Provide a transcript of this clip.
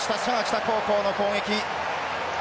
佐賀北高校の攻撃。